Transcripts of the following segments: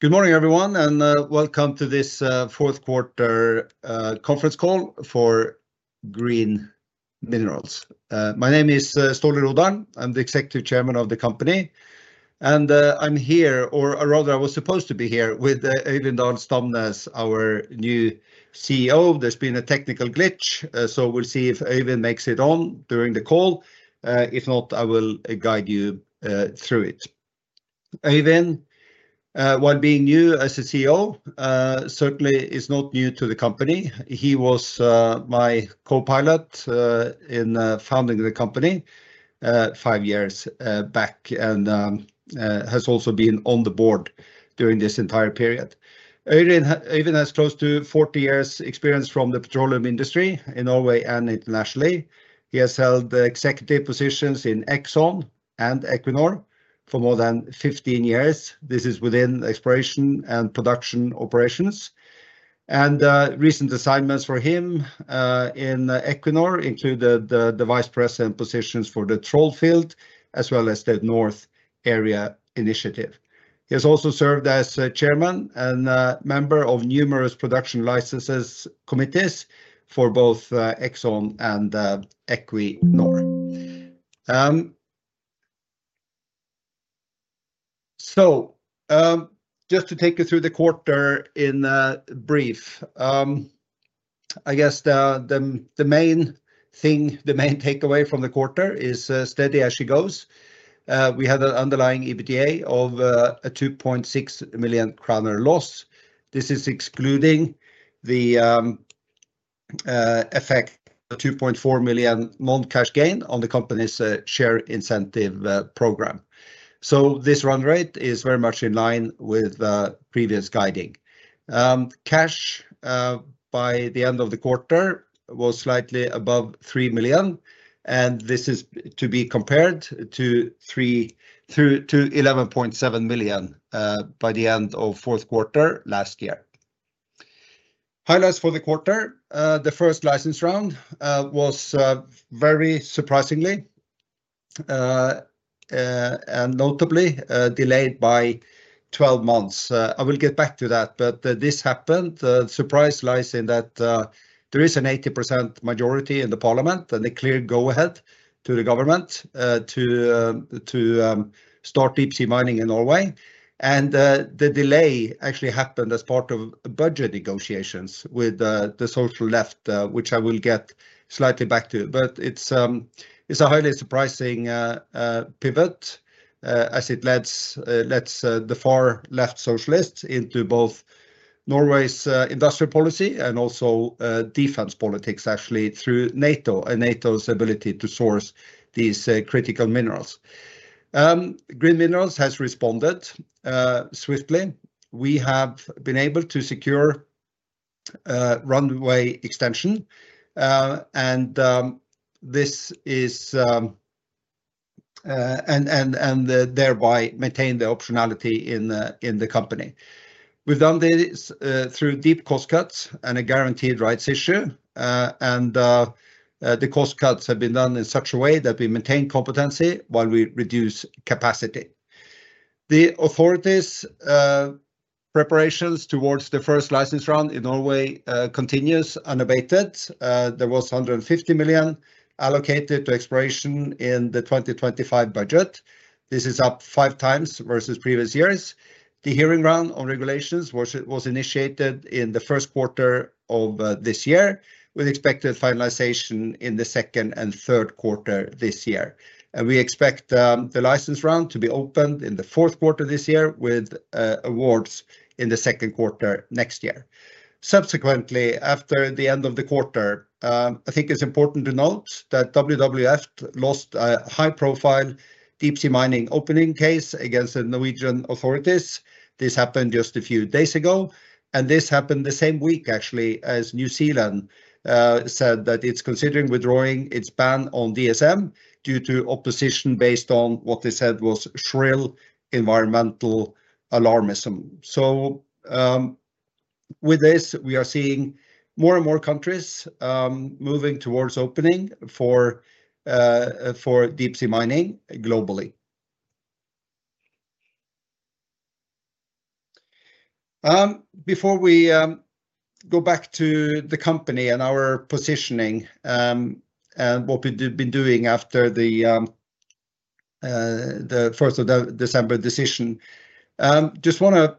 Good morning, everyone, and welcome to this fourth quarter conference call for Green Minerals. My name is Ståle Rodahl, I'm the Executive Chairman of the company, and I'm here, or rather I was supposed to be here, with Øivind Dahl Stamnes, our new CEO. There's been a technical glitch, so we'll see if Øivind makes it on during the call. If not, I will guide you through it. Øivind, while being new as a CEO, certainly is not new to the company. He was my co-pilot in founding the company five years back and has also been on the board during this entire period. Øivind has close to 40 years' experience from the petroleum industry in Norway and internationally. He has held executive positions in Exxon and Equinor for more than 15 years. This is within exploration and production operations. Recent assignments for him in Equinor included the Vice President positions for the Troll Field as well as the North Area Initiative. He has also served as Chairman and member of numerous production licenses committees for both Exxon and Equinor. Just to take you through the quarter in brief, I guess the main takeaway from the quarter is steady as she goes. We had an underlying EBITDA of a 2.6 million kroner loss. This is excluding the effect of a 2.4 million non-cash gain on the company's share incentive program. This run rate is very much in line with previous guiding. Cash by the end of the quarter was slightly above 3 million, and this is to be compared to 11.7 million by the end of fourth quarter last year. Highlights for the quarter: the first license round was very surprisingly and notably delayed by 12 months. I will get back to that, but this happened. The surprise lies in that there is an 80% majority in the parliament and a clear go-ahead to the government to start deep sea mining in Norway. The delay actually happened as part of budget negotiations with the social left, which I will get slightly back to. It is a highly surprising pivot as it lets the far-left socialists into both Norway's industrial policy and also defense politics, actually through NATO and NATO's ability to source these critical minerals. Green Minerals has responded swiftly. We have been able to secure runway extension, and this has thereby maintained the optionality in the company. We have done this through deep cost cuts and a guaranteed rights issue. The cost cuts have been done in such a way that we maintain competency while we reduce capacity. The authorities' preparations towards the first license round in Norway continue unabated. There was 150 million allocated to exploration in the 2025 budget. This is up five times versus previous years. The hearing round on regulations was initiated in the first quarter of this year with expected finalization in the second and third quarter this year. We expect the license round to be opened in the fourth quarter this year with awards in the second quarter next year. Subsequently, after the end of the quarter, I think it's important to note that WWF lost a high-profile deep sea mining opening case against the Norwegian authorities. This happened just a few days ago, and this happened the same week actually as New Zealand said that it's considering withdrawing its ban on DSM due to opposition based on what they said was shrill environmental alarmism. With this, we are seeing more and more countries moving towards opening for deep sea mining globally. Before we go back to the company and our positioning and what we've been doing after the 1st of December decision, I just want to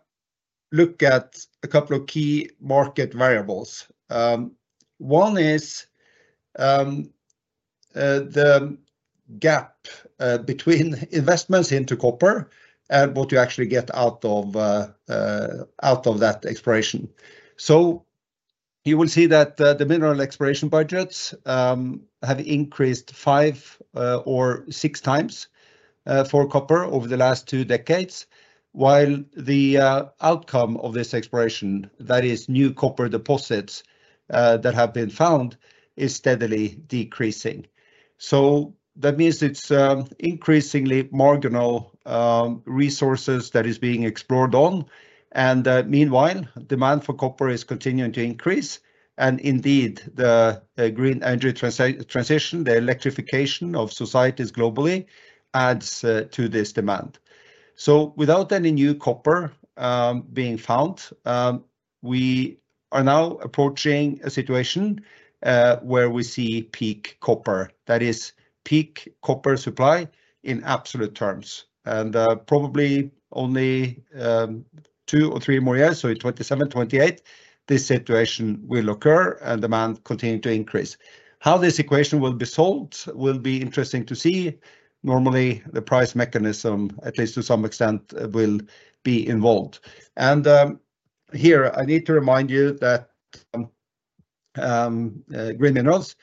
look at a couple of key market variables. One is the gap between investments into copper and what you actually get out of that exploration. You will see that the mineral exploration budgets have increased five or six times for copper over the last two decades, while the outcome of this exploration, that is, new copper deposits that have been found, is steadily decreasing. That means it's increasingly marginal resources that are being explored on. Meanwhile, demand for copper is continuing to increase. Indeed, the green energy transition, the electrification of societies globally adds to this demand. Without any new copper being found, we are now approaching a situation where we see peak copper, that is, peak copper supply in absolute terms. Probably only two or three more years, so in 2027, 2028, this situation will occur and demand continues to increase. How this equation will be solved will be interesting to see. Normally, the price mechanism, at least to some extent, will be involved. Here, I need to remind you that Green Minerals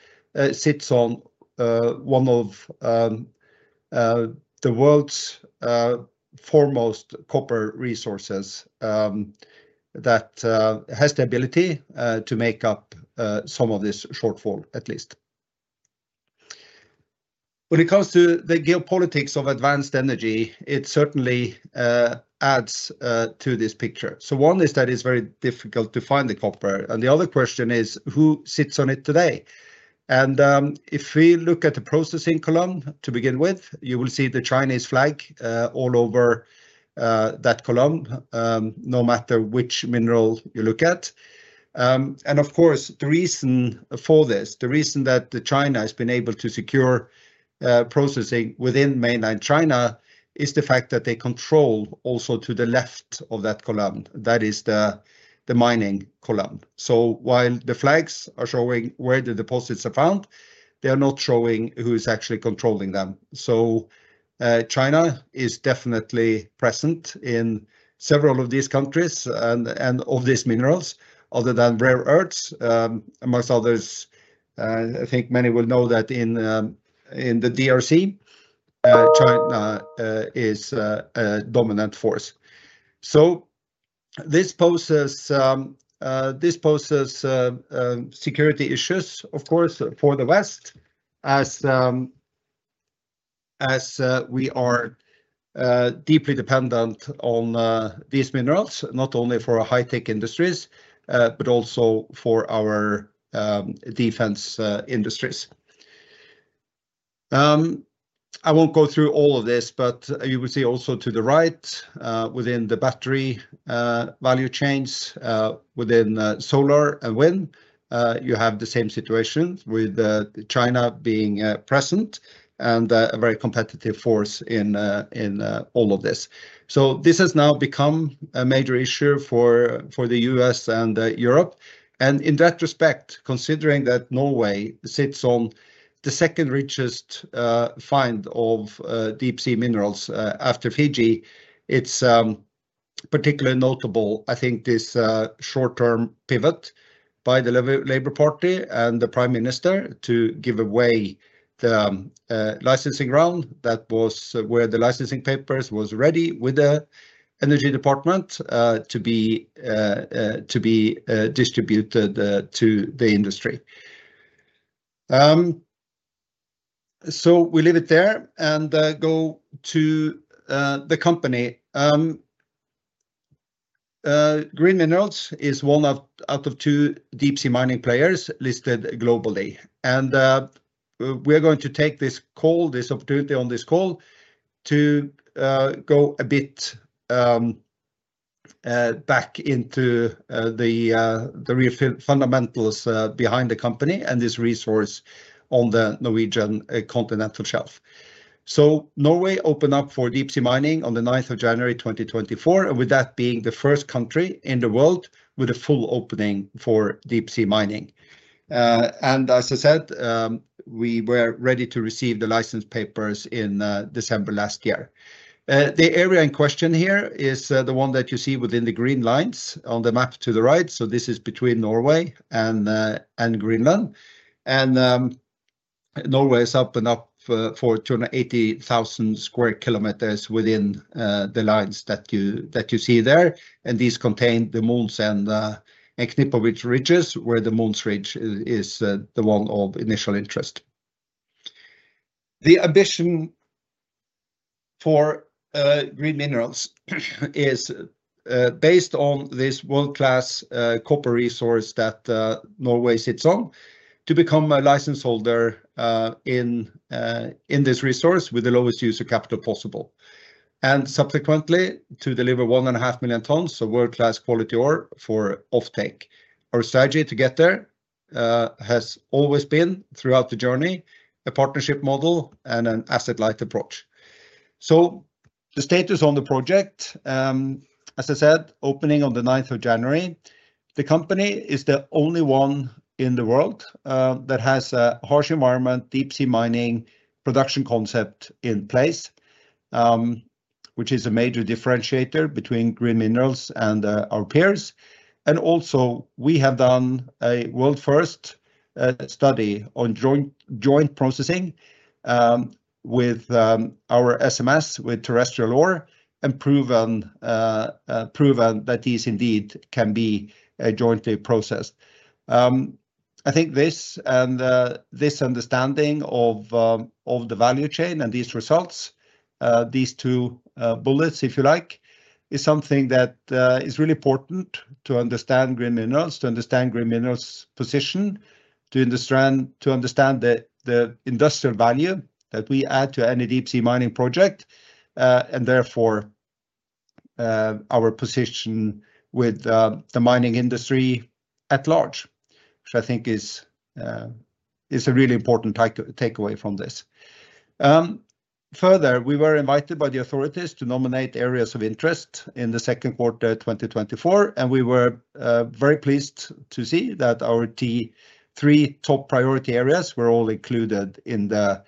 sits on one of the world's foremost copper resources that has the ability to make up some of this shortfall, at least. When it comes to the geopolitics of advanced energy, it certainly adds to this picture. One is that it is very difficult to find the copper. The other question is, who sits on it today? If we look at the processing column to begin with, you will see the Chinese flag all over that column, no matter which mineral you look at. Of course, the reason for this, the reason that China has been able to secure processing within mainland China is the fact that they control also to the left of that column, that is, the mining column. While the flags are showing where the deposits are found, they are not showing who is actually controlling them. China is definitely present in several of these countries and of these minerals, other than rare earths. Amongst others, I think many will know that in the DRC, China is a dominant force. This poses security issues, of course, for the West, as we are deeply dependent on these minerals, not only for high-tech industries, but also for our defense industries. I won't go through all of this, but you will see also to the right, within the battery value chains, within solar and wind, you have the same situation with China being present and a very competitive force in all of this. This has now become a major issue for the U.S. and Europe. In that respect, considering that Norway sits on the second richest find of deep sea minerals after Fiji, it's particularly notable, I think, this short-term pivot by the Labour Party and the Prime Minister to give away the licensing ground that was where the licensing papers were ready with the Energy Department to be distributed to the industry. We leave it there and go to the company. Green Minerals is one out of two deep sea mining players listed globally. We are going to take this opportunity on this call to go a bit back into the real fundamentals behind the company and this resource on the Norwegian continental shelf. Norway opened up for deep sea mining on the 9th of January 2024, with that being the first country in the world with a full opening for deep sea mining. As I said, we were ready to receive the license papers in December last year. The area in question here is the one that you see within the green lines on the map to the right. This is between Norway and Greenland. Norway is opening up for 280,000 sq km within the lines that you see there. These contain the Mohns and Knipovich ridges, where the Mphns Ridge is the one of initial interest. The ambition for Green Minerals is based on this world-class copper resource that Norway sits on to become a license holder in this resource with the lowest use of capital possible. Subsequently, to deliver 1.5 million tonnes of world-class quality ore for off-take. Our strategy to get there has always been, throughout the journey, a partnership model and an asset-light approach. The status on the project, as I said, opening on the 9th of January. The company is the only one in the world that has a harsh environment deep sea mining production concept in place, which is a major differentiator between Green Minerals and our peers. Also, we have done a world-first study on joint processing with our SMS, with terrestrial ore, and proven that these indeed can be jointly processed. I think this and this understanding of the value chain and these results, these two bullets, if you like, is something that is really important to understand Green Minerals, to understand Green Minerals' position, to understand the industrial value that we add to any deep sea mining project, and therefore our position with the mining industry at large, which I think is a really important takeaway from this. Further, we were invited by the authorities to nominate areas of interest in the second quarter 2024, and we were very pleased to see that our three top priority areas were all included in the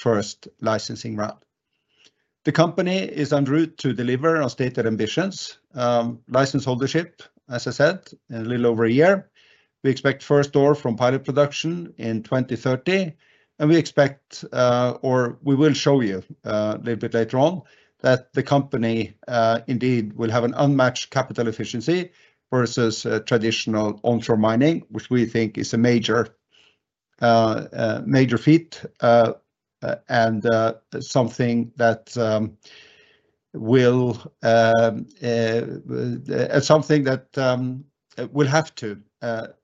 first licensing round. The company is en route to deliver our stated ambitions, license holdership, as I said, in a little over a year. We expect first ore from pilot production in 2030, and we expect, or we will show you a little bit later on, that the company indeed will have an unmatched capital efficiency versus traditional onshore mining, which we think is a major feat and something that will have to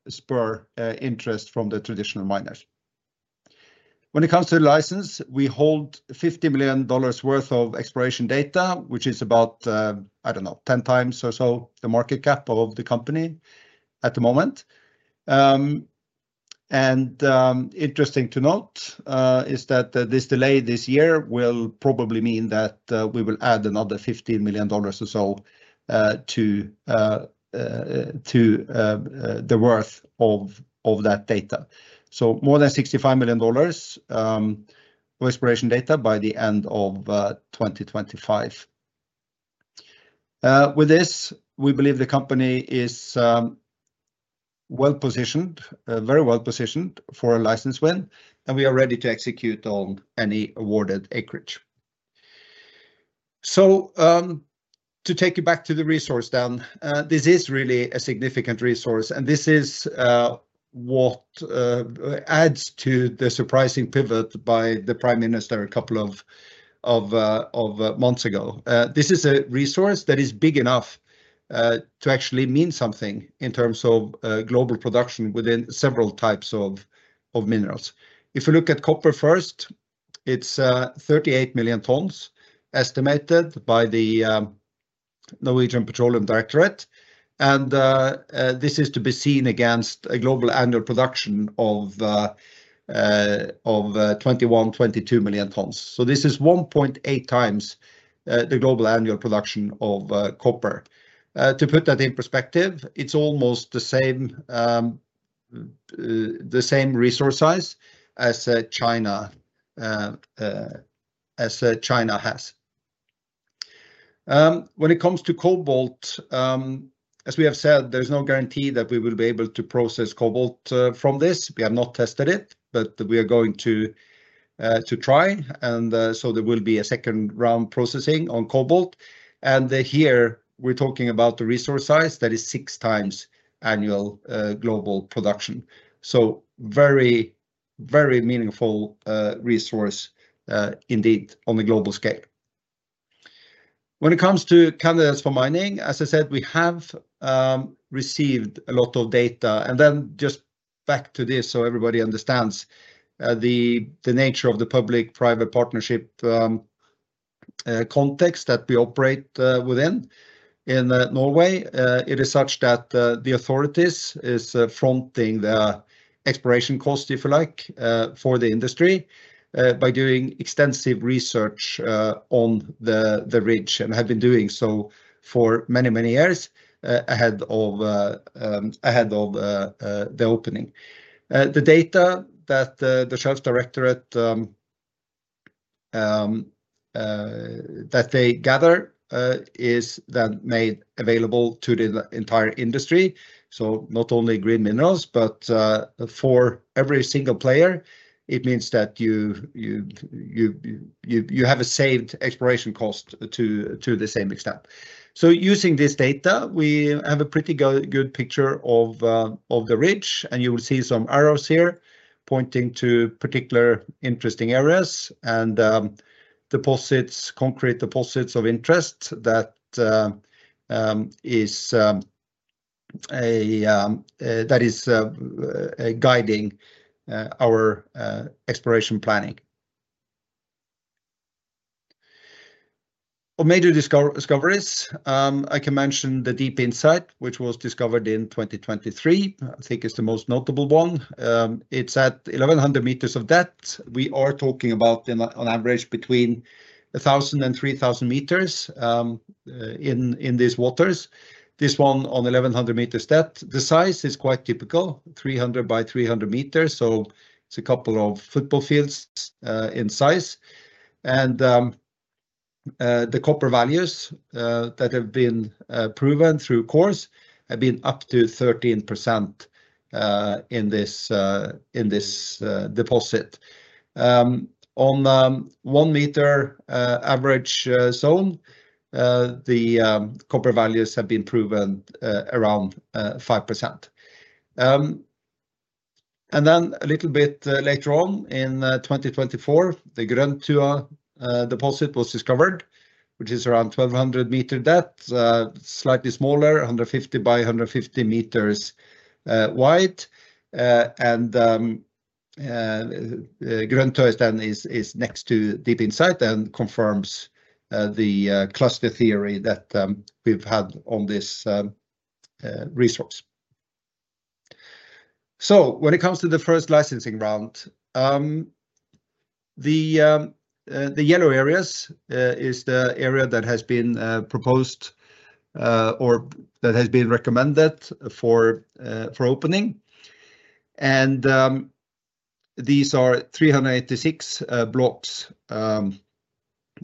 spur interest from the traditional miners. When it comes to license, we hold $50 million worth of exploration data, which is about, I don't know, 10 times or so the market cap of the company at the moment. Interesting to note is that this delay this year will probably mean that we will add another $15 million or so to the worth of that data. More than $65 million of exploration data by the end of 2025. With this, we believe the company is well positioned, very well positioned for a license win, and we are ready to execute on any awarded acreage. To take you back to the resource then, this is really a significant resource, and this is what adds to the surprising pivot by the Prime Minister a couple of months ago. This is a resource that is big enough to actually mean something in terms of global production within several types of minerals. If you look at copper first, it is 38 million tonnes estimated by the Norwegian Petroleum Directorate. This is to be seen against a global annual production of 21-22 million tonnes. This is 1.8 times the global annual production of copper. To put that in perspective, it is almost the same resource size as China has. When it comes to cobalt, as we have said, there's no guarantee that we will be able to process cobalt from this. We have not tested it, but we are going to try. There will be a second round processing on cobalt. Here, we're talking about the resource size that is six times annual global production. Very, very meaningful resource indeed on the global scale. When it comes to candidates for mining, as I said, we have received a lot of data. Just back to this so everybody understands the nature of the public-private partnership context that we operate within in Norway. It is such that the authorities are fronting the exploration cost, if you like, for the industry by doing extensive research on the ridge and have been doing so for many, many years ahead of the opening. The data that the Sokkeldirektoratet that they gather is then made available to the entire industry. Not only Green Minerals, but for every single player, it means that you have a saved exploration cost to the same extent. Using this data, we have a pretty good picture of the ridge, and you will see some arrows here pointing to particular interesting areas and deposits, concrete deposits of interest that is guiding our exploration planning. Of major discoveries, I can mention the deep insight, which was discovered in 2023. I think it's the most notable one. It's at 1,100 meters of depth. We are talking about an average between 1,000 and 3,000 meters in these waters. This one on 1,100 meters depth, the size is quite typical, 300 by 300 meters. It's a couple of football fields in size. The copper values that have been proven through cores have been up to 13% in this deposit. On one meter average zone, the copper values have been proven around 5%. A little bit later on in 2024, the Grøntøya deposit was discovered, which is around 1,200 meters depth, slightly smaller, 150 by 150 meters wide. Grøntøya then is next to Deep Insight and confirms the cluster theory that we've had on this resource. When it comes to the first licensing round, the yellow areas is the area that has been proposed or that has been recommended for opening. These are 386 blocks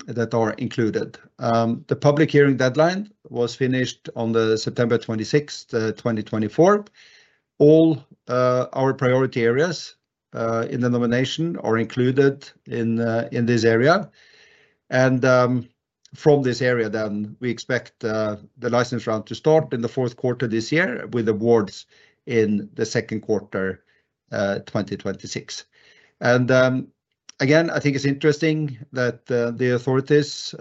that are included. The public hearing deadline was finished on September 26, 2024. All our priority areas in the nomination are included in this area. From this area then, we expect the license round to start in the fourth quarter this year with awards in the second quarter 2026. I think it's interesting that the authorities,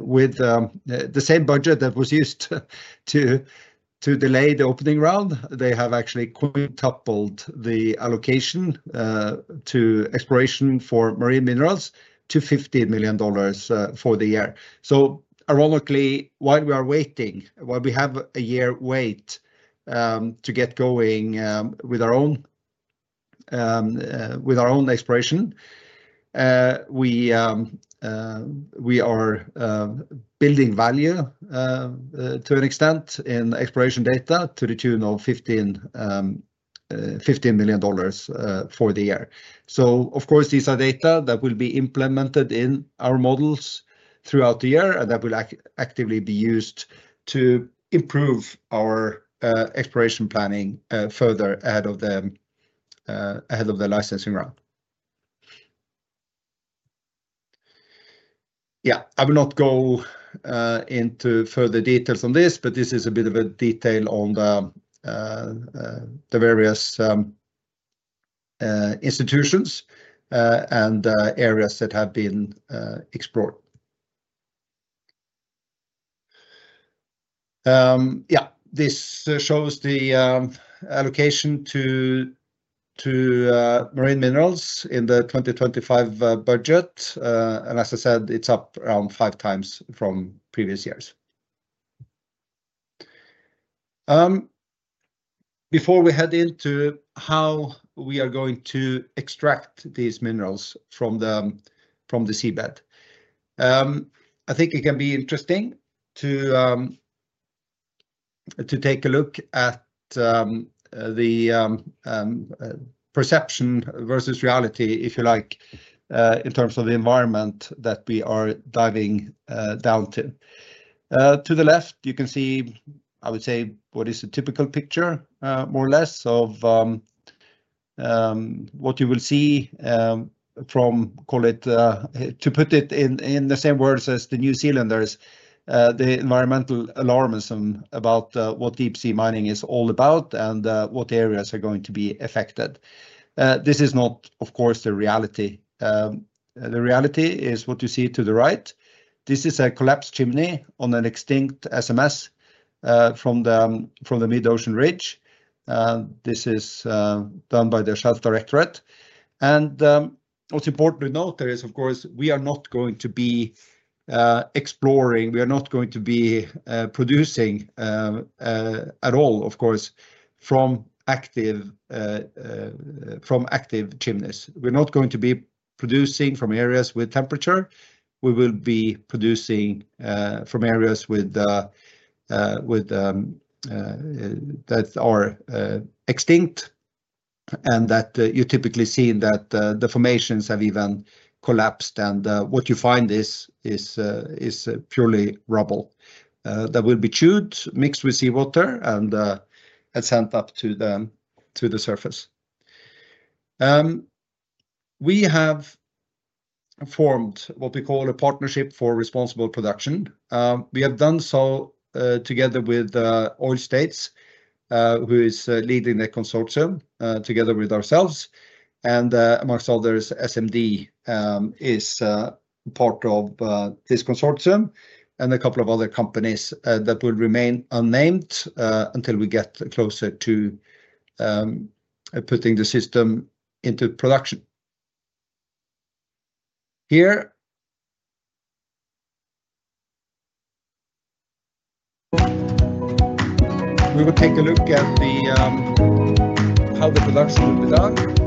with the same budget that was used to delay the opening round, have actually quintupled the allocation to exploration for marine minerals to $15 million for the year. Ironically, while we are waiting, while we have a year wait to get going with our own exploration, we are building value to an extent in exploration data to the tune of $15 million for the year. Of course, these are data that will be implemented in our models throughout the year and that will actively be used to improve our exploration planning further ahead of the licensing round. Yeah, I will not go into further details on this, but this is a bit of a detail on the various institutions and areas that have been explored. Yeah, this shows the allocation to marine minerals in the 2025 budget. As I said, it's up around five times from previous years. Before we head into how we are going to extract these minerals from the seabed, I think it can be interesting to take a look at the perception versus reality, if you like, in terms of the environment that we are diving down to. To the left, you can see, I would say, what is a typical picture, more or less, of what you will see from, call it, to put it in the same words as the New Zealanders, the environmental alarmism about what deep sea mining is all about and what areas are going to be affected. This is not, of course, the reality. The reality is what you see to the right. This is a collapsed chimney on an extinct SMS from the mid-ocean ridge. This is done by the Sokkeldirektoratet. What's important to note there is, of course, we are not going to be exploring. We are not going to be producing at all, of course, from active chimneys. We're not going to be producing from areas with temperature. We will be producing from areas that are extinct and that you typically see that the formations have even collapsed. What you find is purely rubble that will be chewed, mixed with seawater, and sent up to the surface. We have formed what we call a partnership for responsible production. We have done so together with Oil States, who is leading the consortium together with ourselves. Amongst others, SMD is part of this consortium and a couple of other companies that will remain unnamed until we get closer to putting the system into production. Here, we will take a look at how the production will be done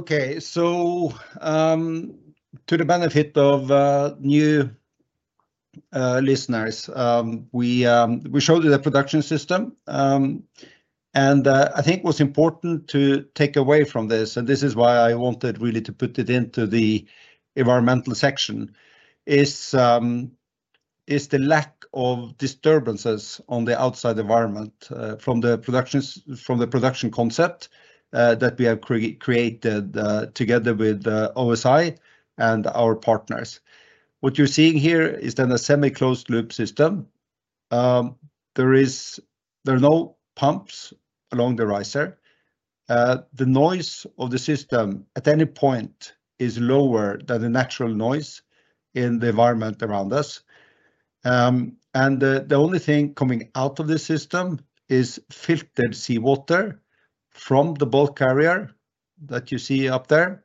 and then comment after. To the benefit of new listeners, we showed you the production system. I think what's important to take away from this, and this is why I wanted really to put it into the environmental section, is the lack of disturbances on the outside environment from the production concept that we have created together with OSI and our partners. What you're seeing here is then a semi-closed loop system. There are no pumps along the riser. The noise of the system at any point is lower than the natural noise in the environment around us. The only thing coming out of the system is filtered seawater from the bulk carrier that you see up there.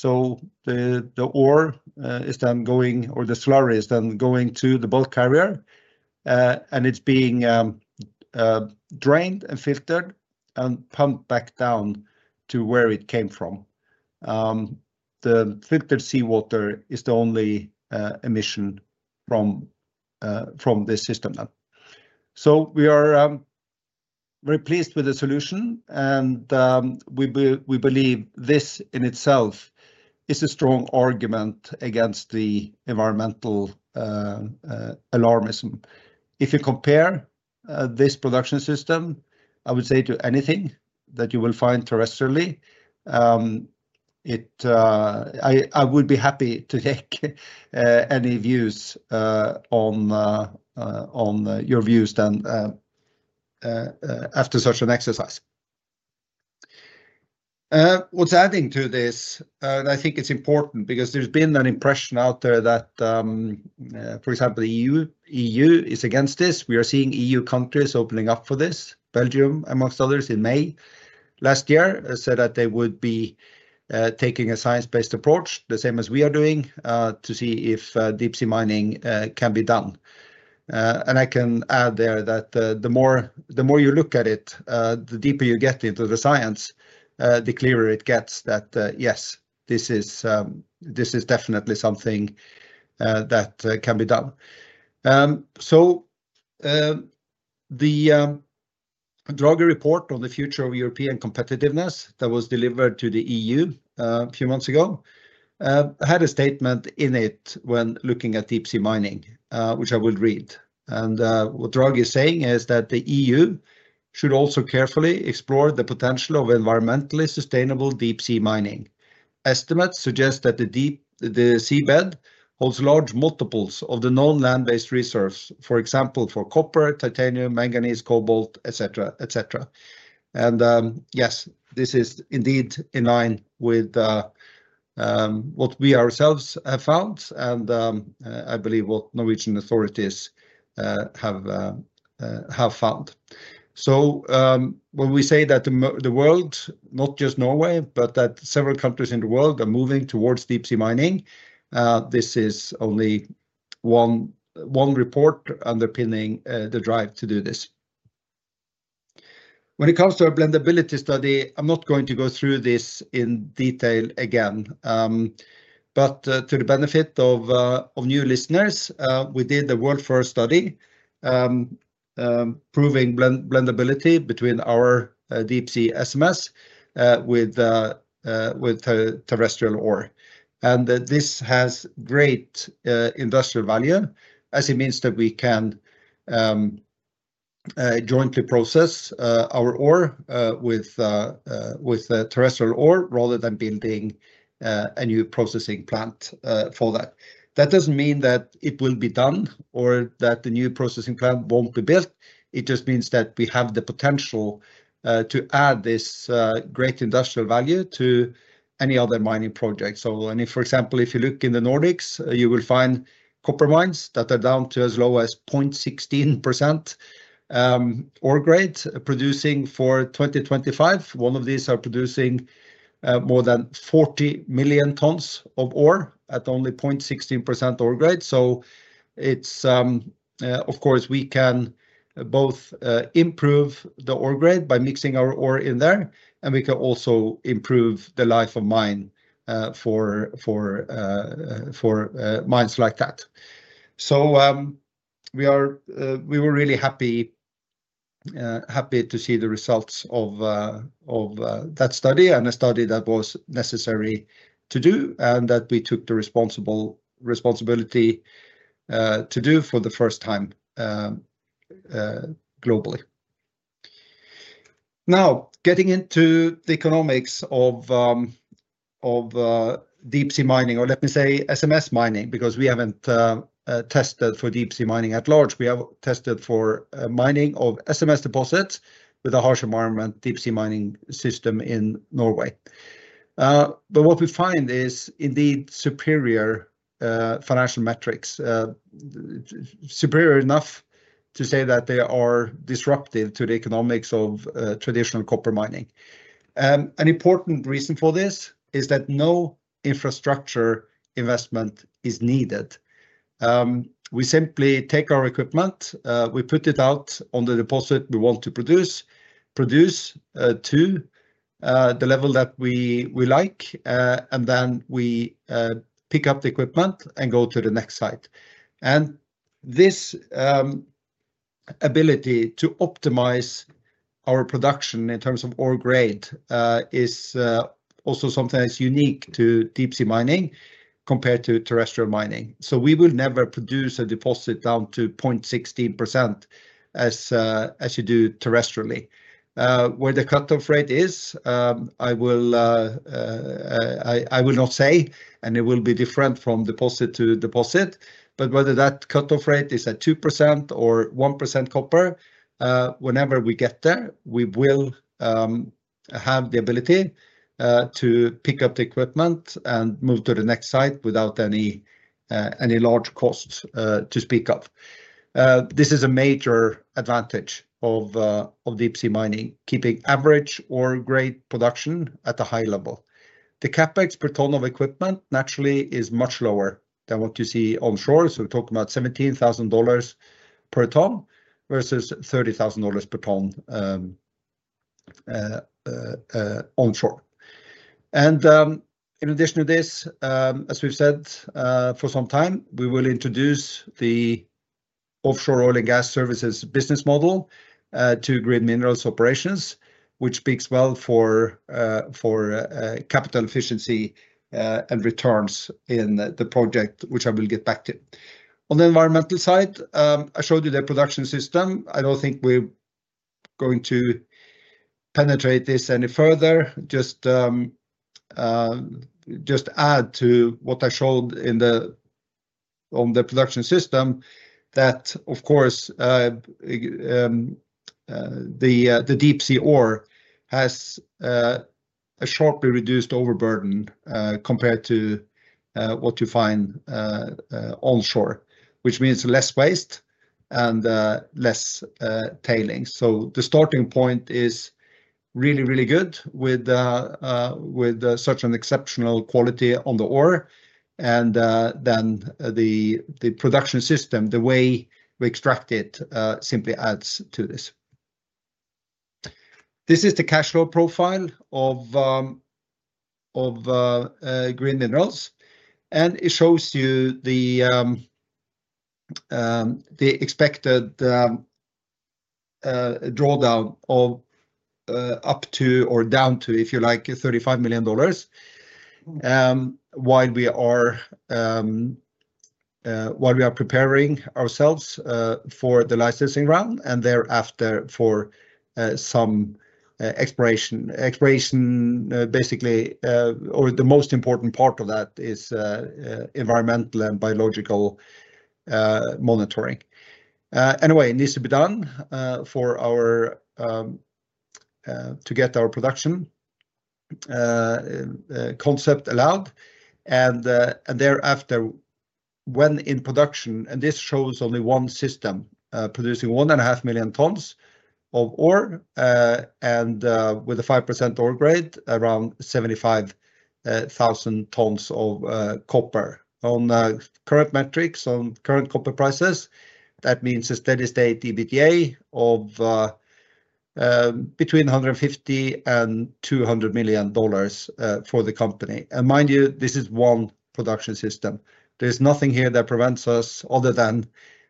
The ore is then going, or the slurry is then going to the bulk carrier, and it's being drained and filtered and pumped back down to where it came from. The filtered seawater is the only emission from this system then. We are very pleased with the solution, and we believe this in itself is a strong argument against the environmental alarmism. If you compare this production system, I would say to anything that you will find terrestrially, I would be happy to take any views on your views then after such an exercise. What's adding to this, and I think it's important because there's been an impression out there that, for example, the EU is against this. We are seeing EU countries opening up for this, Belgium amongst others in May last year, said that they would be taking a science-based approach, the same as we are doing, to see if deep sea mining can be done. I can add there that the more you look at it, the deeper you get into the science, the clearer it gets that, yes, this is definitely something that can be done. The Draghi report on the future of European competitiveness that was delivered to the EU a few months ago had a statement in it when looking at deep sea mining, which I will read. What Draghi is saying is that the EU should also carefully explore the potential of environmentally sustainable deep sea mining. Estimates suggest that the seabed holds large multiples of the known land-based resource, for example, for copper, titanium, manganese, cobalt, etc. Yes, this is indeed in line with what we ourselves have found and I believe what Norwegian authorities have found. When we say that the world, not just Norway, but that several countries in the world are moving towards deep sea mining, this is only one report underpinning the drive to do this. When it comes to our blendability study, I'm not going to go through this in detail again. To the benefit of new listeners, we did a world-first study proving blendability between our deep sea SMS with terrestrial ore. This has great industrial value as it means that we can jointly process our ore with terrestrial ore rather than building a new processing plant for that. That does not mean that it will be done or that the new processing plant will not be built. It just means that we have the potential to add this great industrial value to any other mining project. For example, if you look in the Nordics, you will find copper mines that are down to as low as 0.16% ore grade producing for 2025. One of these are producing more than 40 million tons of ore at only 0.16% ore grade. Of course, we can both improve the ore grade by mixing our ore in there, and we can also improve the life of mine for mines like that. We were really happy to see the results of that study and a study that was necessary to do and that we took the responsibility to do for the first time globally. Now, getting into the economics of deep sea mining, or let me say SMS mining, because we haven't tested for deep sea mining at large. We have tested for mining of SMS deposits with a harsh environment deep sea mining system in Norway. What we find is indeed superior financial metrics, superior enough to say that they are disruptive to the economics of traditional copper mining. An important reason for this is that no infrastructure investment is needed. We simply take our equipment, we put it out on the deposit we want to produce, produce to the level that we like, and then we pick up the equipment and go to the next site. This ability to optimize our production in terms of ore grade is also something that's unique to deep sea mining compared to terrestrial mining. We will never produce a deposit down to 0.16% as you do terrestrially. Where the cut-off rate is, I will not say, and it will be different from deposit to deposit, but whether that cut-off rate is at 2% or 1% copper, whenever we get there, we will have the ability to pick up the equipment and move to the next site without any large cost to speak of. This is a major advantage of deep sea mining, keeping average ore grade production at a high level. The CapEx per ton of equipment naturally is much lower than what you see onshore. We are talking about $17,000 per ton versus $30,000 per ton onshore. In addition to this, as we have said for some time, we will introduce the offshore oil and gas services business model to Green Minerals operations, which speaks well for capital efficiency and returns in the project, which I will get back to. On the environmental side, I showed you the production system. I do not think we are going to penetrate this any further. Just add to what I showed on the production system that, of course, the deep sea ore has a sharply reduced overburden compared to what you find onshore, which means less waste and less tailing. The starting point is really, really good with such an exceptional quality on the ore. The production system, the way we extract it, simply adds to this. This is the cash flow profile of Green Minerals. It shows you the expected drawdown of up to or down to, if you like, $35 million while we are preparing ourselves for the licensing round and thereafter for some exploration. Exploration, basically, or the most important part of that is environmental and biological monitoring. Anyway, it needs to be done to get our production concept allowed. Thereafter, when in production, and this shows only one system producing 1.5 million tons of ore and with a 5% ore grade, around 75,000 tons of copper. On current metrics, on current copper prices, that means a steady-state EBITDA of between $150 million-$200 million for the company. Mind you, this is one production system. There is nothing here that prevents us other than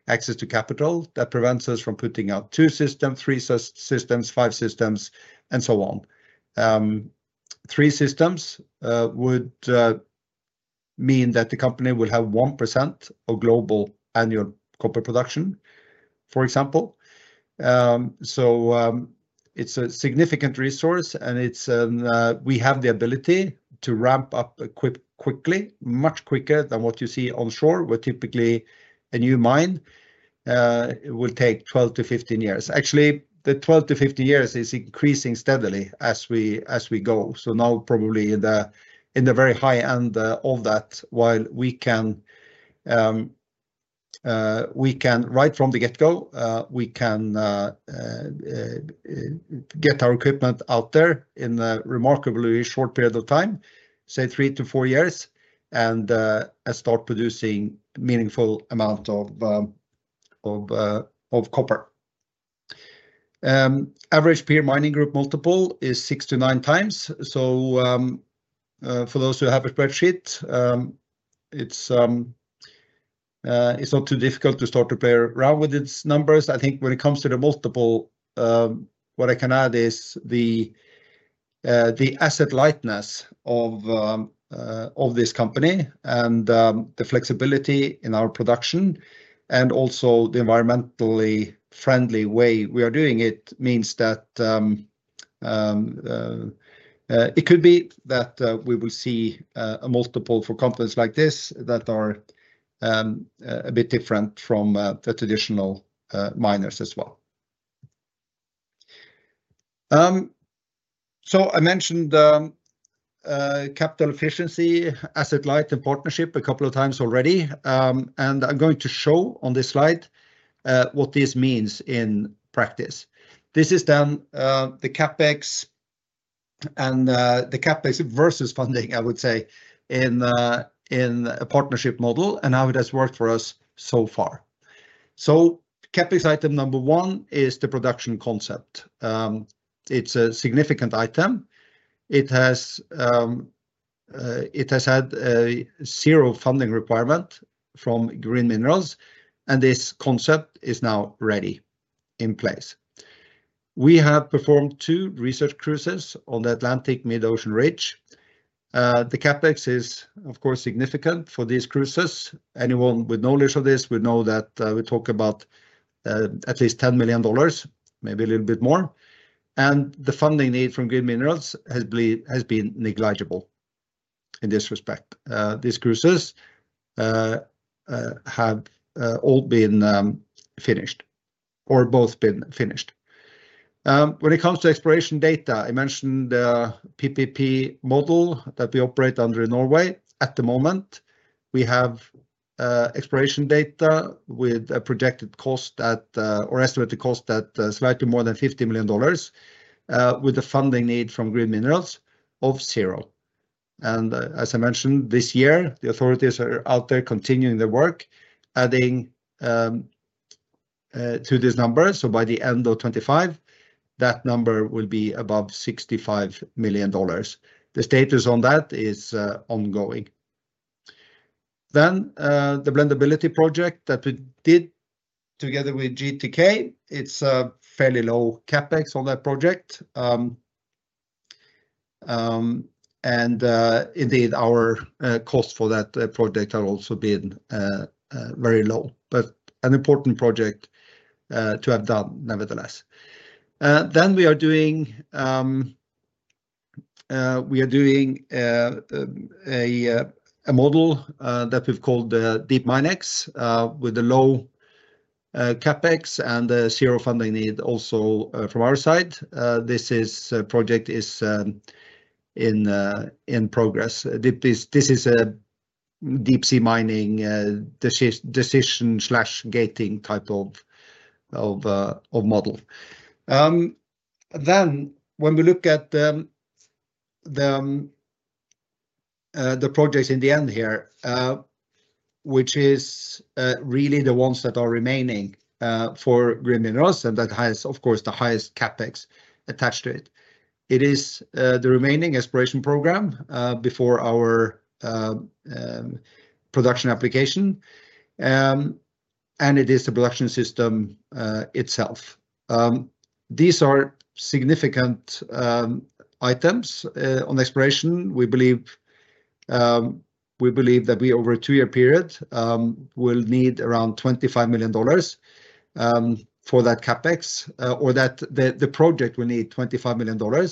access to capital that prevents us from putting out two systems, three systems, five systems, and so on. Three systems would mean that the company will have 1% of global annual copper production, for example. It is a significant resource, and we have the ability to ramp up quickly, much quicker than what you see onshore, where typically a new mine will take 12 to 15 years. Actually, the 12 to 15 years is increasing steadily as we go. Now probably in the very high end of that, while we can right from the get-go, we can get our equipment out there in a remarkably short period of time, say three to four years, and start producing a meaningful amount of copper. Average peer mining group multiple is six to nine times. For those who have a spreadsheet, it's not too difficult to start to play around with its numbers. I think when it comes to the multiple, what I can add is the asset lightness of this company and the flexibility in our production and also the environmentally friendly way we are doing it means that it could be that we will see a multiple for companies like this that are a bit different from the traditional miners as well. I mentioned capital efficiency, asset light, and partnership a couple of times already. I'm going to show on this slide what this means in practice. This is then the CapEx and the CapEx versus funding, I would say, in a partnership model and how it has worked for us so far. CapEx item number one is the production concept. It's a significant item. It has had a zero funding requirement from Green Minerals, and this concept is now ready in place. We have performed two research cruises on the Mid-Atlantic Ridge. The CapEx is, of course, significant for these cruises. Anyone with knowledge of this would know that we talk about at least $10 million, maybe a little bit more. The funding need from Green Minerals has been negligible in this respect. These cruises have all been finished or both been finished. When it comes to exploration data, I mentioned the PPP model that we operate under in Norway. At the moment, we have exploration data with a projected cost or estimated cost that's slightly more than $50 million with the funding need from Green Minerals of zero. As I mentioned, this year, the authorities are out there continuing their work, adding to this number. By the end of 2025, that number will be above $65 million. The status on that is ongoing. The blendability project that we did together with GTK, it's a fairly low CapEx on that project. Indeed, our cost for that project has also been very low, but an important project to have done nevertheless. We are doing a model that we've called DeepMineX with a low CapEx and zero funding need also from our side. This project is in progress. This is a deep sea mining decision/gating type of model. When we look at the projects in the end here, which is really the ones that are remaining for Green Minerals and that has, of course, the highest CapEx attached to it, it is the remaining exploration program before our production application. It is the production system itself. These are significant items on exploration. We believe that we over a two-year period will need around $25 million for that CapEx or that the project will need $25 million.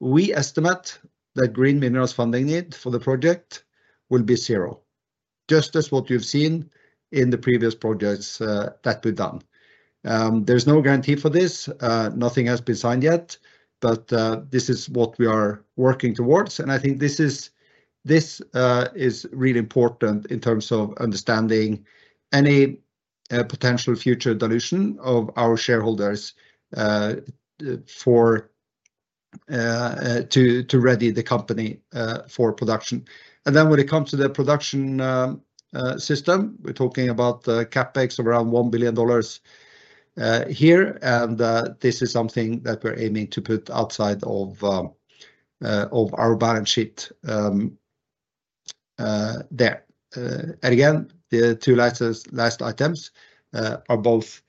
We estimate that Green Minerals funding need for the project will be zero, just as what you've seen in the previous projects that we've done. There is no guarantee for this. Nothing has been signed yet, but this is what we are working towards. I think this is really important in terms of understanding any potential future dilution of our shareholders to ready the company for production. When it comes to the production system, we're talking about CapEx of around $1 billion here. This is something that we're aiming to put outside of our balance sheet there. The two last items are both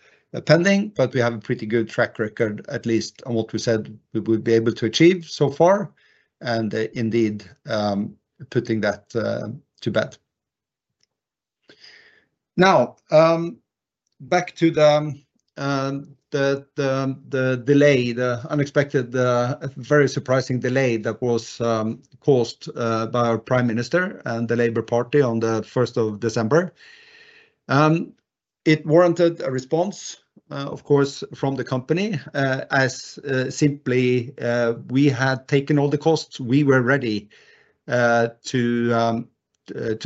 pending, but we have a pretty good track record, at least on what we said we would be able to achieve so far and indeed putting that to bed. Now, back to the delay, the unexpected, very surprising delay that was caused by our Prime Minister and the Labour Party on the 1st of December. It warranted a response, of course, from the company as simply we had taken all the costs. We were ready to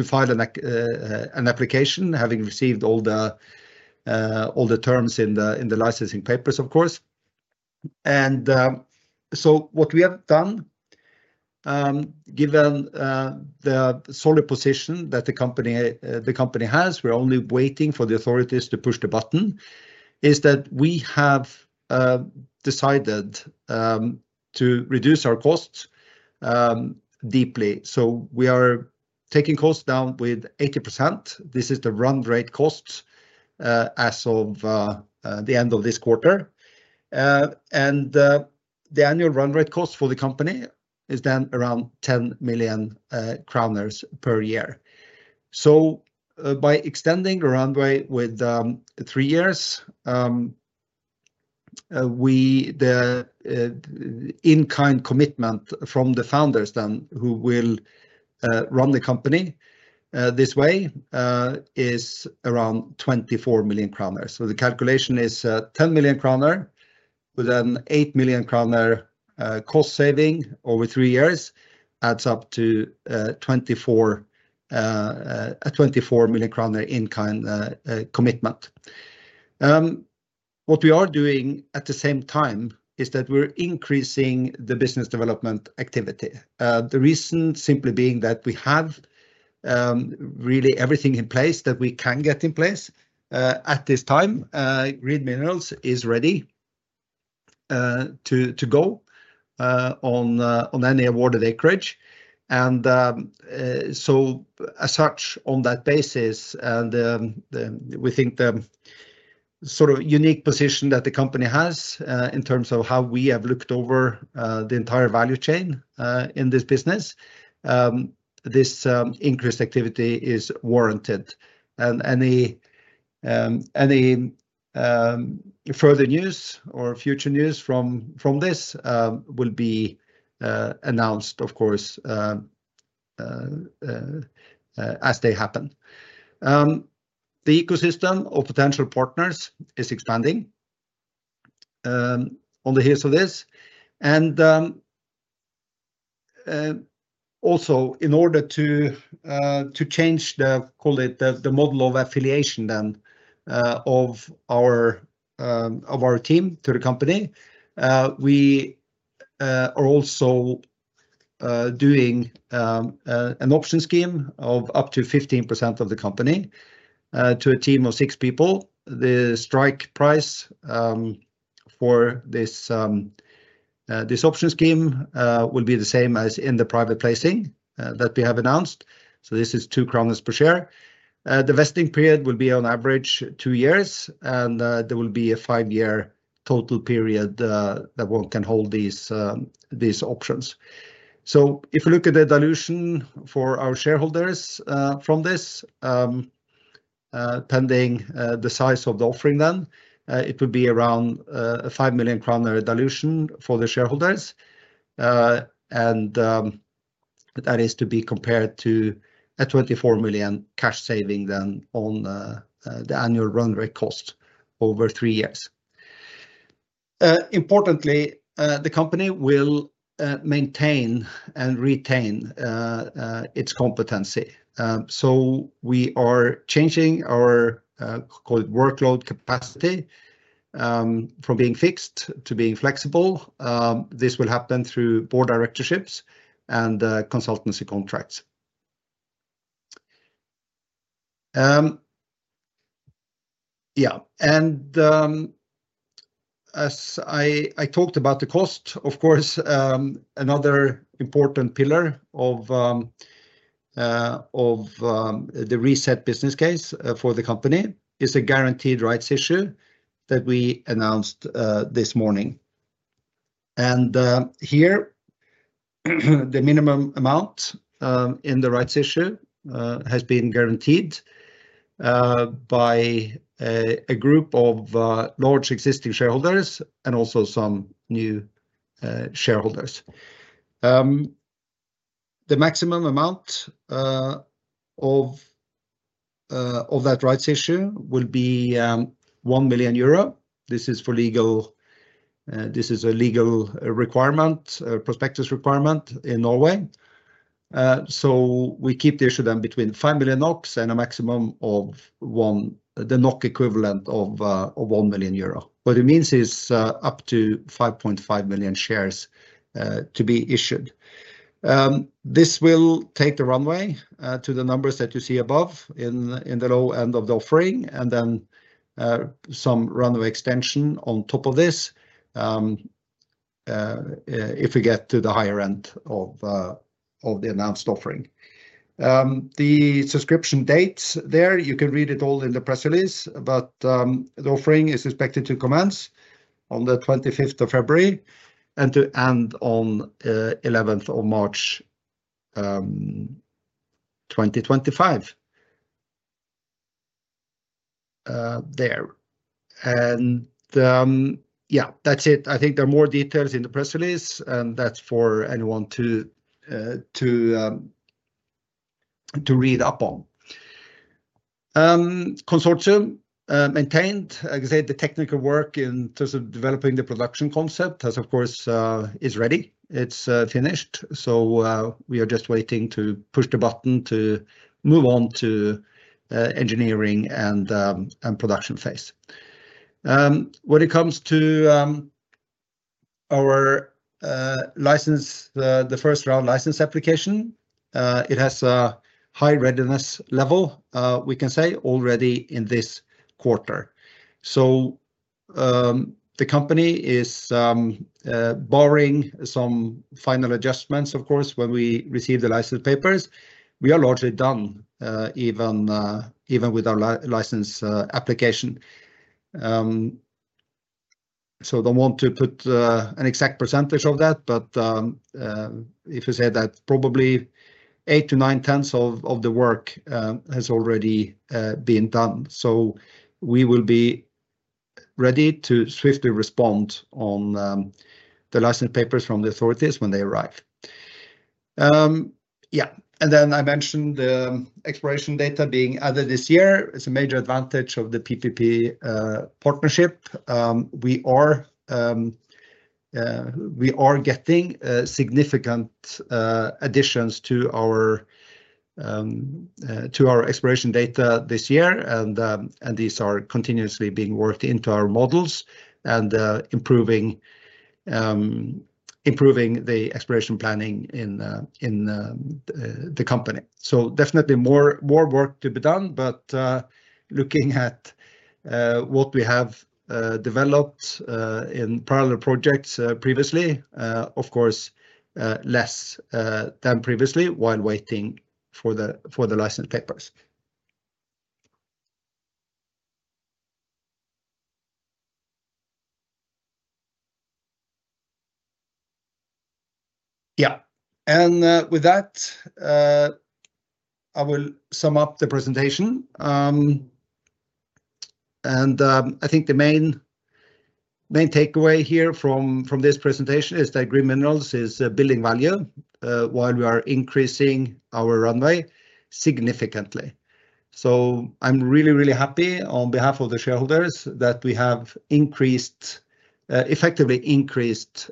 file an application having received all the terms in the licensing papers, of course. What we have done, given the solid position that the company has, we're only waiting for the authorities to push the button, is that we have decided to reduce our costs deeply. We are taking costs down by 80%. This is the run rate costs as of the end of this quarter. The annual run rate cost for the company is then around 10 million per year. By extending the runway with three years, the in-kind commitment from the founders who will run the company this way is around 24 million kroner. The calculation is 10 million kroner, with an 8 million kroner cost saving over three years, adds up to 24 million kroner in-kind commitment. What we are doing at the same time is that we're increasing the business development activity. The reason simply being that we have really everything in place that we can get in place at this time. Green Minerals is ready to go on any awarded acreage. As such, on that basis, and we think the sort of unique position that the company has in terms of how we have looked over the entire value chain in this business, this increased activity is warranted. Any further news or future news from this will be announced, of course, as they happen. The ecosystem of potential partners is expanding on the heels of this. Also, in order to change the model of affiliation of our team to the company, we are also doing an option scheme of up to 15% of the company to a team of six people. The strike price for this option scheme will be the same as in the private placing that we have announced. This is 2 crowns per share. The vesting period will be on average two years, and there will be a five-year total period that one can hold these options. If we look at the dilution for our shareholders from this, pending the size of the offering, it would be around a 5 million kroner dilution for the shareholders. That is to be compared to a 24 million cash saving on the annual run rate cost over three years. Importantly, the company will maintain and retain its competency. We are changing our workload capacity from being fixed to being flexible. This will happen through board directorships and consultancy contracts. Yeah. As I talked about the cost, of course, another important pillar of the reset business case for the company is a guaranteed rights issue that we announced this morning. Here, the minimum amount in the rights issue has been guaranteed by a group of large existing shareholders and also some new shareholders. The maximum amount of that rights issue will be 1 million euro. This is a legal requirement, a prospectus requirement in Norway. We keep the issue then between 5 million NOK and a maximum of the NOK equivalent of 1 million euro. What it means is up to 5.5 million shares to be issued. This will take the runway to the numbers that you see above in the low end of the offering and then some runway extension on top of this if we get to the higher end of the announced offering. The subscription dates there, you can read it all in the press release, but the offering is expected to commence on the 25th of February and to end on the 11th of March 2025 there. Yeah, that's it. I think there are more details in the press release, and that's for anyone to read up on. Consortium maintained. I can say the technical work in terms of developing the production concept has, of course, is ready. It's finished. We are just waiting to push the button to move on to engineering and production phase. When it comes to our license, the first round license application, it has a high readiness level, we can say, already in this quarter. The company is borrowing some final adjustments, of course, when we receive the license papers. We are largely done even with our license application. I do not want to put an exact percentage of that, but if you say that probably 8-9 tenths of the work has already been done. We will be ready to swiftly respond on the license papers from the authorities when they arrive. Yeah. I mentioned the exploration data being added this year. It is a major advantage of the PPP partnership. We are getting significant additions to our exploration data this year, and these are continuously being worked into our models and improving the exploration planning in the company. Definitely more work to be done, but looking at what we have developed in parallel projects previously, of course, less than previously while waiting for the license papers. Yeah. With that, I will sum up the presentation. I think the main takeaway here from this presentation is that Green Minerals is building value while we are increasing our runway significantly. I am really, really happy on behalf of the shareholders that we have effectively increased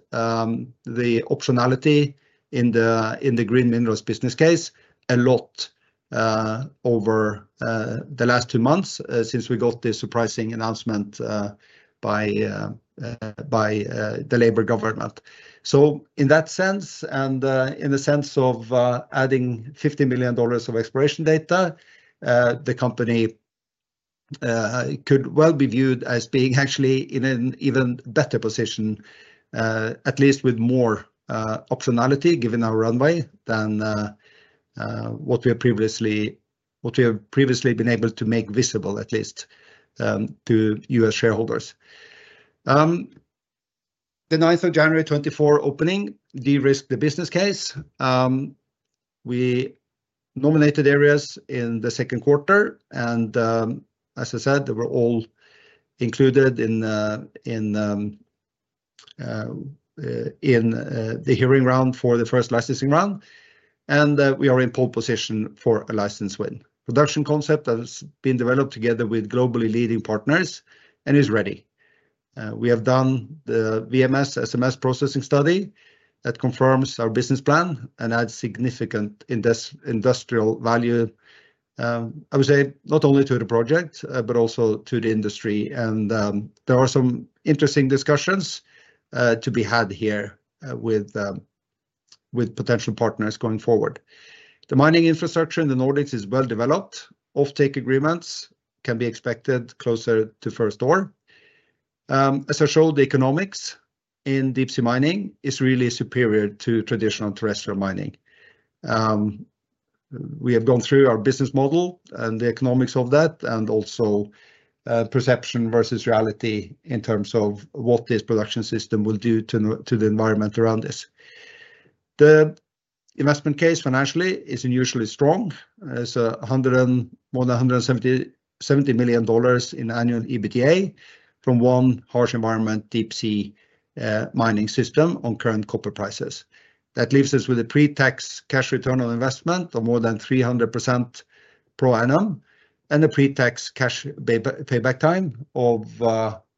the optionality in the Green Minerals business case a lot over the last two months since we got this surprising announcement by the Labour government. In that sense and in the sense of adding $50 million of exploration data, the company could well be viewed as being actually in an even better position, at least with more optionality given our runway than what we have previously been able to make visible, at least to U.S. shareholders. The 9th of January 2024 opening de-risked the business case. We nominated areas in the second quarter, and as I said, they were all included in the hearing round for the first licensing round. We are in pole position for a license win. Production concept has been developed together with globally leading partners and is ready. We have done the VMS, SMS processing study that confirms our business plan and adds significant industrial value, I would say, not only to the project, but also to the industry. There are some interesting discussions to be had here with potential partners going forward. The mining infrastructure in the Nordics is well developed. Off-take agreements can be expected closer to first door. As I showed, the economics in deep sea mining is really superior to traditional terrestrial mining. We have gone through our business model and the economics of that and also perception versus reality in terms of what this production system will do to the environment around this. The investment case financially is unusually strong. It is more than $170 million in annual EBITDA from one harsh environment deep sea mining system on current copper prices. That leaves us with a pre-tax cash return on investment of more than 300% per annum and a pre-tax cash payback time of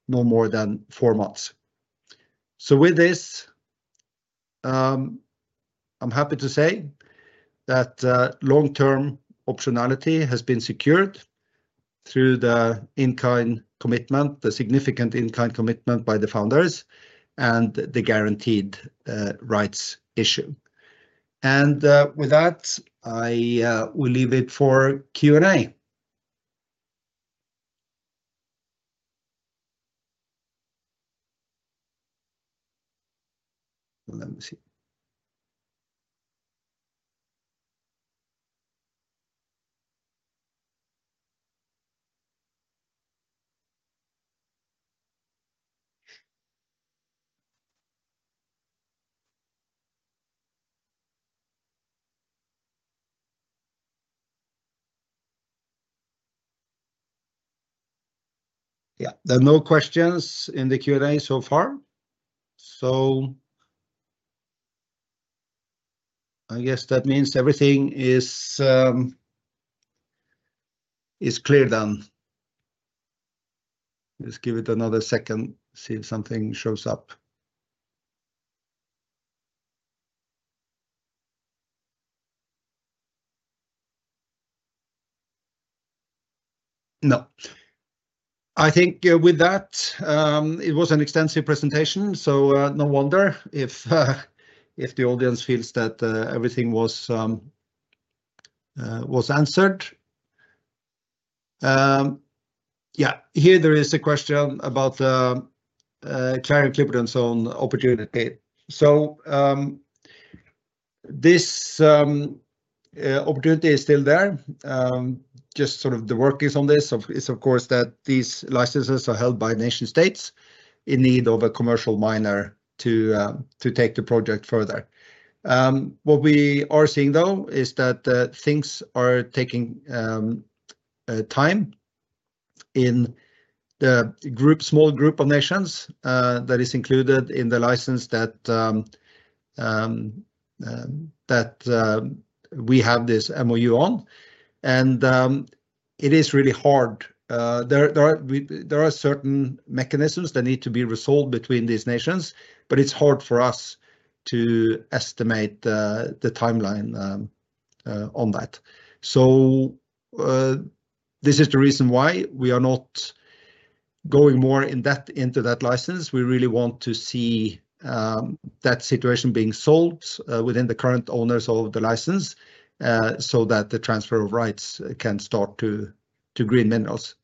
no more than four months. With this, I'm happy to say that long-term optionality has been secured through the in-kind commitment, the significant in-kind commitment by the founders and the guaranteed rights issue. With that, I will leave it for Q&A. Let me see. Yeah. There are no questions in the Q&A so far. I guess that means everything is clear then. Let's give it another second, see if something shows up. No. I think with that, it was an extensive presentation, so no wonder if the audience feels that everything was answered. Yeah. Here there is a question about Clarion-Clipperton zone opportunity. This opportunity is still there. Just sort of the work is on this. It's, of course, that these licenses are held by nation-states in need of a commercial miner to take the project further. What we are seeing, though, is that things are taking time in the small group of nations that is included in the license that we have this MOU on. It is really hard. There are certain mechanisms that need to be resolved between these nations, but it's hard for us to estimate the timeline on that. This is the reason why we are not going more in depth into that license. We really want to see that situation being solved within the current owners of the license so that the transfer of rights can start to Green Minerals.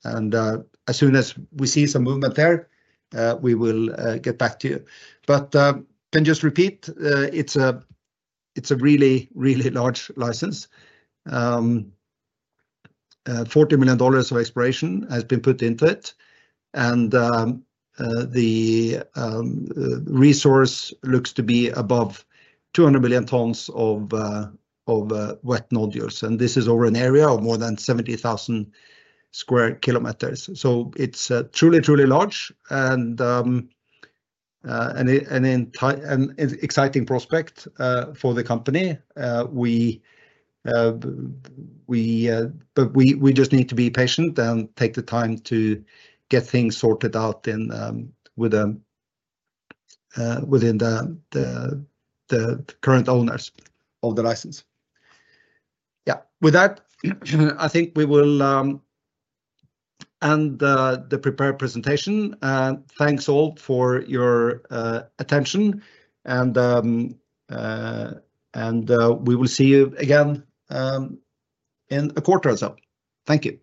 As soon as we see some movement there, we will get back to you. I can just repeat, it's a really, really large license. $40 million of exploration has been put into it, and the resource looks to be above 200 million tons of wet nodules. This is over an area of more than 70,000 sq km. It is truly, truly large and an exciting prospect for the company. We just need to be patient and take the time to get things sorted out within the current owners of the license. Yeah. With that, I think we will end the prepared presentation. Thanks all for your attention, and we will see you again in a quarter or so. Thank you.